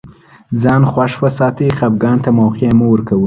ځان خوښ وساتئ خفګان ته موقع مه ورکوی